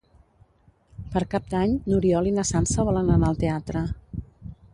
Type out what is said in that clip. Per Cap d'Any n'Oriol i na Sança volen anar al teatre.